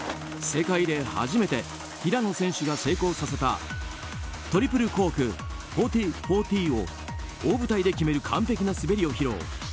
世界で初めて平野選手が成功させたトリプルコーク１４４０を大舞台で決める完ぺきな滑りを披露。